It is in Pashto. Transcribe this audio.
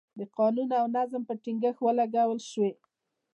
د قانون او نظم پر ټینګښت ولګول شوې.